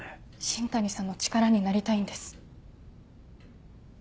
新谷さんの力になりたいんです。